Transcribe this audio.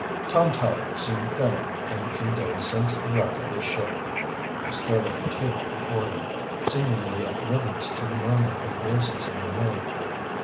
Tom Tyler seemed thinner in the few days since the wreck of his ship. He stared at the table before him, seemingly oblivious to the murmur of voices in the room.